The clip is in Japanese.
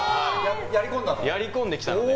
やり込んできたので。